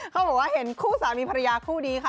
เขาบอกว่าเห็นคู่สามีภรรยาคู่นี้ค่ะ